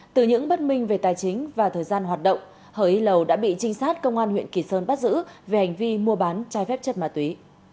từ những bất minh về tài chính và thời gian hoạt động hờ ý lầu đã bị trinh sát công an huyện kỳ sơn bắt giữ về hành vi mua bán trái phép chất ma túy